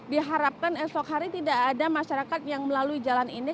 diharapkan esok hari tidak ada masyarakat yang melalui jalan ini